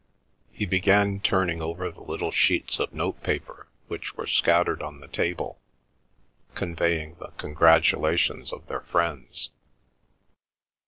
He began turning over the little sheets of note paper which were scattered on the table, conveying the congratulations of their friends.